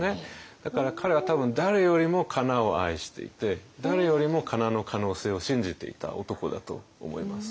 だから彼は多分誰よりもかなを愛していて誰よりもかなの可能性を信じていた男だと思います。